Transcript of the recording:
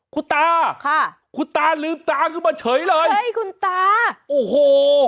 คุณตาค่ะคุณตาลืมตาขึ้นมาเฉยเลยเอ้ยคุณตาโอ้โห